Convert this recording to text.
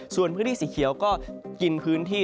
ส่วนพื้นที่สีเขียวก็กินพื้นที่